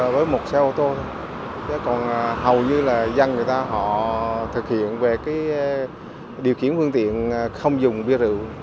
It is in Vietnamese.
với một xe ô tô còn hầu như là dân người ta họ thực hiện về điều khiển phương tiện không dùng bia rượu